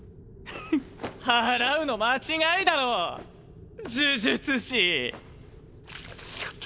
ふっ「祓う」の間違いだろ呪術師。